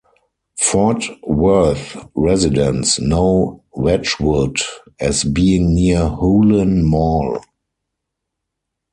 Fort Worth residents know Wedgwood as "being near Hulen Mall".